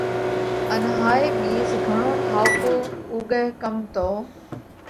ان هائي ٻِيز گھڻو ٺائُوڪو اُوڳئه ڪم تو